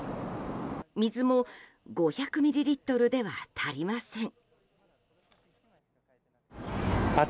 水も５００ミリリットルでは足りません。